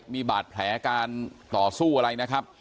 มีบาดแผลการต่อสู้อะไรนะครับ